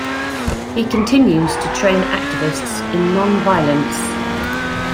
He continues to train activists in nonviolence.